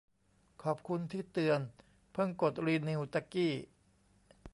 ขอบคุณที่เตือน เพิ่งกดรีนิวตะกี้